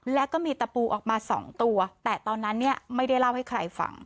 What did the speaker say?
แล้วก็มีตะปูออกมาสองตัวแต่ตอนนั้นเนี่ยไม่ได้เล่าให้ใครฟัง